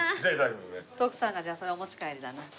徳さんがじゃあそれはお持ち帰りだな。